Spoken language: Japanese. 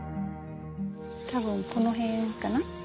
多分この辺かな？